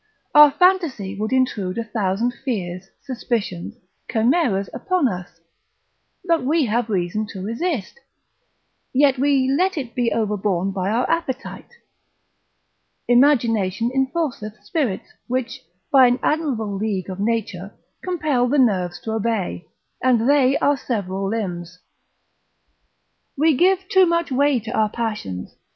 Our fantasy would intrude a thousand fears, suspicions, chimeras upon us, but we have reason to resist, yet we let it be overborne by our appetite; imagination enforceth spirits, which, by an admirable league of nature, compel the nerves to obey, and they our several limbs: we give too much way to our passions.